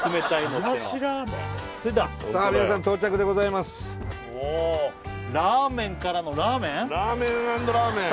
もうラーメンからのラーメン？